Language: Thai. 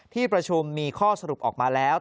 ที่ประชุมมีข้อสรุปออกมาแล้ว